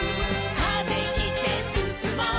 「風切ってすすもう」